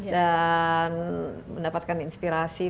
dan mendapatkan inspirasi